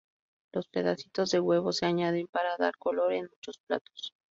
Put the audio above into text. Los pedacitos de huevo se añaden para dar color en muchos platos.